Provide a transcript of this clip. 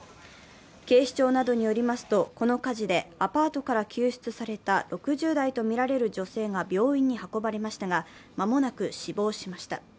警視庁などによりますとこの火事でアパートから救出された６０代とみられる女性が病院に運ばれましたが、間もなく死亡しました。